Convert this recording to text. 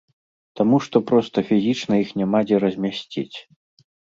Таму што проста фізічна іх няма дзе размясціць.